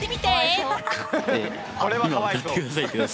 これはかわいそう。